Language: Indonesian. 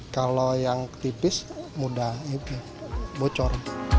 kalau yang tipis mudah bocor